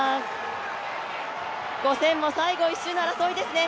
５０００も最後１周の争いですね